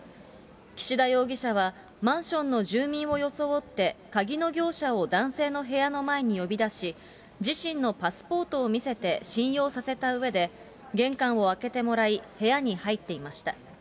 岸田容疑者はマンションの住民を装って、鍵の業者を男性の部屋の前に呼び出し、自身のパスポートを見せて信用させたうえで、玄関を開けてもらい、部屋に入っていました。